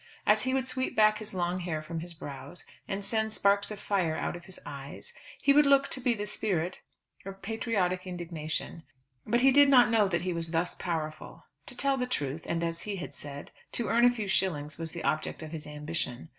As he would sweep back his long hair from his brows, and send sparks of fire out of his eyes, he would look to be the spirit of patriotic indignation; but he did not know that he was thus powerful. To tell the truth, and as he had said, to earn a few shillings was the object of his ambition.